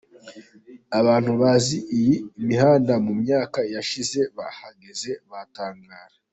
Abantu bazi iyi mihanda mu myaka yashize bahageze, batangara.